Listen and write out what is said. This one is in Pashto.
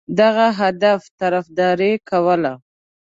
دغه هدف طرفداري کوله.